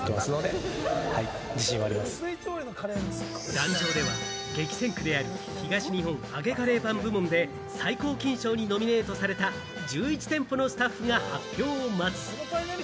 壇上では激戦区である東日本揚げカレーパン部門で最高金賞にノミネートされた１１店舗のスタッフが発表を待つ。